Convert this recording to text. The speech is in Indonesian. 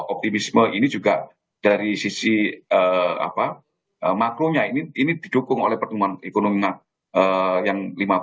optimisme ini juga dari sisi makronya ini didukung oleh pertumbuhan ekonomi yang lima puluh